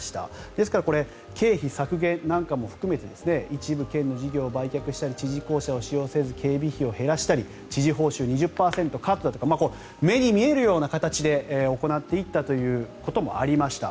ですから経費削減なんかも含めて一部、県の事業を売却したり知事公舎を使用しなかったり警備費を減らしたり知事報酬２０％カットだとか目に見えるような形で行っていったということもありました。